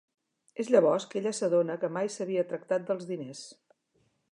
És llavors que ella s'adona que mai s'havia tractat dels diners.